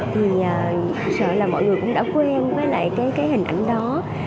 thì sợ là mọi người cũng đã quen với lại cái hình ảnh đó